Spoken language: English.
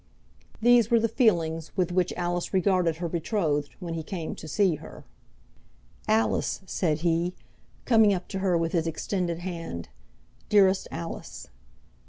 These were the feelings with which Alice regarded her betrothed when he came to see her. "Alice," said he, coming up to her with his extended hand, "Dearest Alice!"